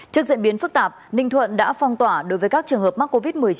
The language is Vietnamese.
trước diễn biến phức tạp ninh thuận đã phong tỏa đối với các trường hợp mắc covid một mươi chín